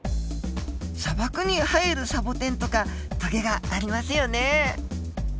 砂漠に生えるサボテンとかトゲがありますよね！